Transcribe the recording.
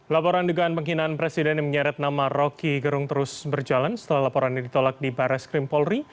laporan dugaan pengkhianat presiden yang menjerat nama rocky gerung terus berjalan setelah laporan ini ditolak di barres krimpolri